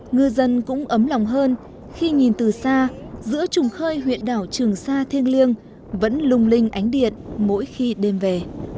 ngư dân cũng ấm lòng hơn khi nhìn từ xa giữa trùng khơi huyện đảo trường sa thiêng liêng vẫn lung linh ánh điện mỗi khi đêm về